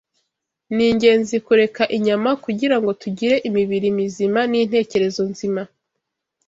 Ni ingenzi kureka inyama kugira ngo tugire imibiri mizima n’intekerezo nzima